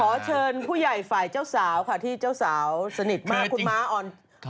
ขอเชิญผู้ใหญ่ฝ่ายเจ้าสาวค่ะที่เจ้าสาวสนิทมาก